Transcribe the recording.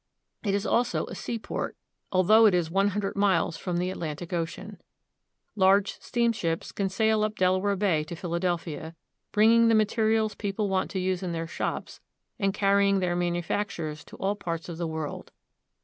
It is also a seaport, although it is one hundred miles from the Atlantic Ocean. Large steamships can sail up Delaware Bay to Philadelphia, bringing the materials people want to use in their shops, and carrying their manufactures to all parts of the world.